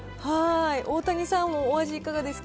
大谷さん、お味いかがですか？